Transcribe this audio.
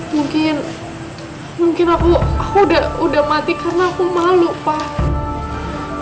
mungkin mungkin aku udah mati karena aku malu pak